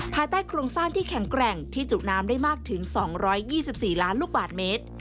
ภายใต้โครงสร้างที่แข็งแกร่งที่จุน้ำได้มากถึง๒๒๔ล้านลูกบาทเมตร